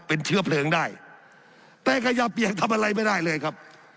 เป็นเชื้อเพลิงได้แต่ขยะเปียกทำอะไรไม่ได้เลยครับ